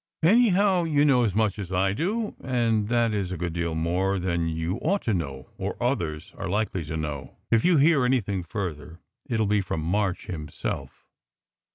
Anyhow, you know as much as I do, and that is a good deal more than you ought to know, or others are likely to know. If you hear anything further, it will be from March himself.